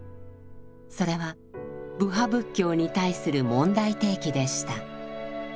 それは部派仏教に対する問題提起でした。